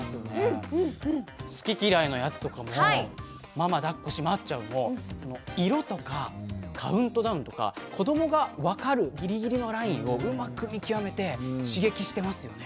「ママだっこ閉まっちゃう！」も色とかカウントダウンとか子どもが分かるギリギリのラインをうまく見極めて刺激してますよね。